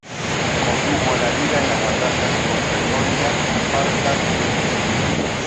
Condujo a la Liga en las batallas contra Etolia, Esparta y Elis.